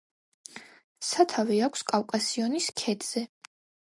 სათავე აქვს კავკასიონის ქედზე.